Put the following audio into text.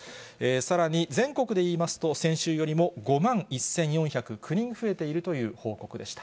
さらに、全国でいいますと、先週よりも５万１４０９人増えているという報告でした。